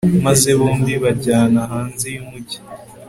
maze bombi bajyana hanze y'umugi